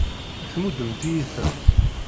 Tmuddemt-iyi-tent.